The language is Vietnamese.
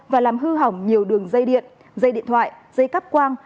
và làm hư hỏng nhiều đường dây điện dây điện thoại dây cắp quang